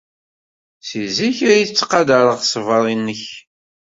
Seg zik ay ttqadareɣ ṣṣber-nnek.